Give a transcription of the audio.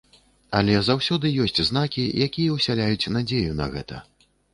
Але заўсёды ёсць знакі, якія ўсяляюць надзею на гэта.